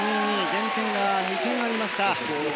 減点が２点ありました。